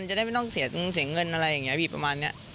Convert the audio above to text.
จะได้ไม่ต้องเสียเงินอะไรอย่างนี้พี่ประมาณนี้